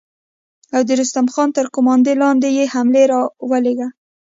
او د رستم خان تر قوماندې لاندې يې حملې ته را ولېږه.